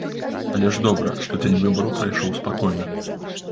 Але ж добра, што дзень выбараў прайшоў спакойна.